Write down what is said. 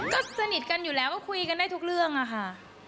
ก็สนิทกันอยู่แล้วก็คุยกันได้ทุกเรื่องอะค่ะ